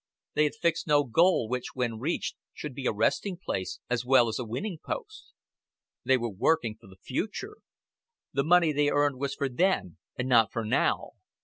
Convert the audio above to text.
They had fixed no goal which when reached should be a resting place as well as a winning post. They were working for the future. The money they earned was for then, and not for now.